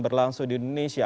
berlangsung di indonesia